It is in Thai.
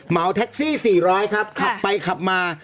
เหมาแท็กซี่๔๐๐ครับขับไปขับมา